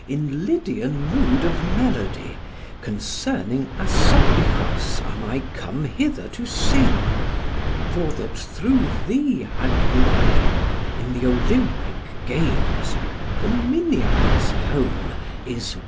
In Lydian mood of melody concerning Asopichos am I come hither to sing, for that through thee, Aglaia, in the Olympic games the Minyai's home is winner."